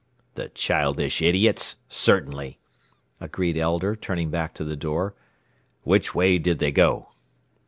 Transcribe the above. "The childish idiots! Certainly," agreed Elder, turning back to the door. "Which way did they go?"